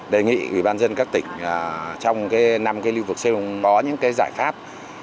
đề nghị ủy ban dân các tỉnh trong năm cái lưu vực xây dựng có những cái giải pháp